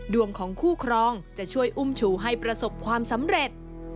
ดวงของคู่ครองจะช่วยอุ้มชูให้ประสบความสำเร็จ